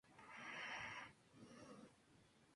Copacabana es conocida como la "Fundadora de Pueblos".